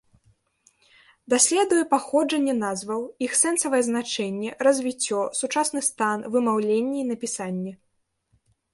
Даследуе паходжанне назваў, іх сэнсавае значэнне, развіццё, сучасны стан, вымаўленне і напісанне.